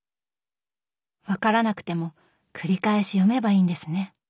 分からなくても繰り返し読めばいいんですね。